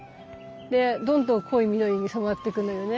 でどんどん濃い緑に染まってくのよね